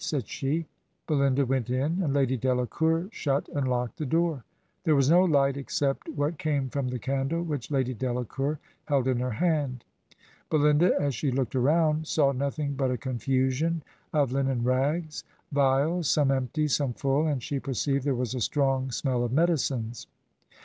said she. Belinda went in, and Lady Delacour shut and locked the door. There was no hght except what came from the candle which Lady Delacour held in her hand. ... Belinda, as she looked around, saw nothing but a confusion of hnen rags; vials, some empty, some full, and she perceived there was a strong smell of medicines.